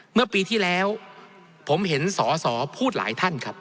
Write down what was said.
เมื่อปีที่แล้วผมเห็นสอสอพูดหลายท่านครับ